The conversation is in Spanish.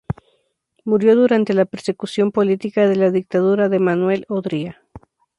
Murió durante la persecución política de la dictadura de Manuel Odría.